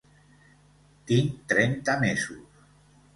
Tinc trenta mesos.